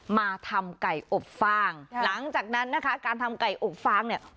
มาทำไก่อบฟางหลังจากนั้นนะคะการทำไก่อบฟางเนี่ย